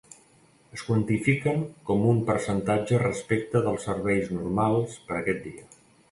Es quantifiquen com un percentatge respecte dels serveis normals per a aquest dia.